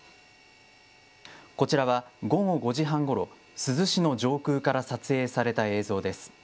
こちらは午後５時半ごろ、珠洲市の上空から撮影された映像です。